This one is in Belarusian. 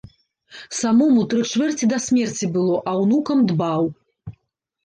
Самому тры чвэрці да смерці было, а ўнукам дбаў.